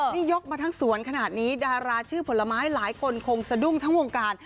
นี่ยกมาทั้งสวนขนาดนี้ดาราชื่อผลไม้หลายคนคงสะดุ้งทั้งวงการ